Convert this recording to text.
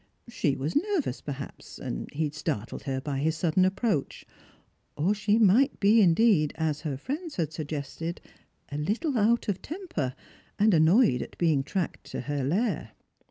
She was nervous, perhaps, and he had startled her by his sudden ajjproach ; or she might be indeed, as her friends had suggested, a httle out of temper, and annoyed at being tracked to her lair.